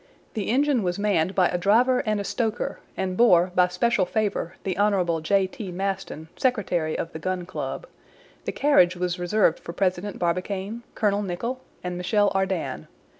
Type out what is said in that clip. The engine was manned by a driver and a stoker, and bore, by special favor, the Hon. J. T. Maston, secretary of the Gun Club. The carriage was reserved for President Barbicane, Colonel Nicholl, and Michel Ardan.